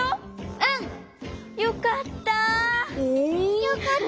うん！よかった！